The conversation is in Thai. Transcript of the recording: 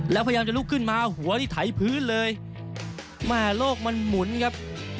แล้วพยายามจะลุกขึ้นมาหัวนี่ไถพื้นเลยแม่โลกมันหมุนครับ